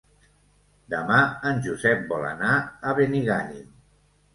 Demà en Josep vol anar a Benigànim.